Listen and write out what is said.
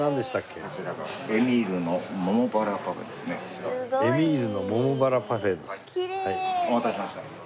きれい！お待たせしました。